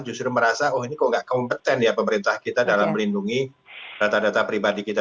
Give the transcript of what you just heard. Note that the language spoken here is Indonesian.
justru merasa oh ini kok nggak kompeten ya pemerintah kita dalam melindungi data data pribadi kita